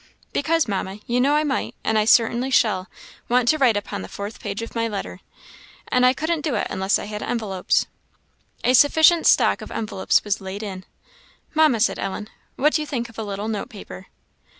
"Because, Mamma, you know I might, and I certainly shall, want to write upon the fourth page of my letter, and I couldn't do it unless I had envelopes." A sufficient stock of envelopes was laid in. "Mamma," said Ellen, "what do you think of a little note paper?"